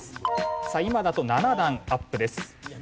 さあ今だと７段アップです。